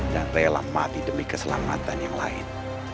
dan rela mati demi keselamatan yang lain